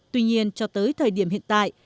tuy nhiên cho tới thời điểm hiện tại